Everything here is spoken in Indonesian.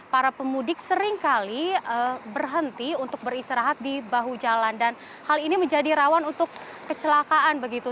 para pemudik seringkali berhenti untuk beristirahat di bahu jalan dan hal ini menjadi rawan untuk kecelakaan begitu